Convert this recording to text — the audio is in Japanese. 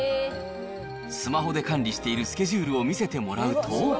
スマホで管理しているスケジュールを見せてもらうと。